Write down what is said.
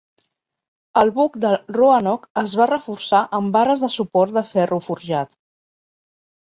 El buc del "Roanoke" es va reforçar amb barres de suport de ferro forjat.